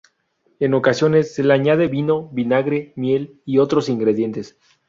En ocasiones se le añadía vino, vinagre, miel y otros ingredientes.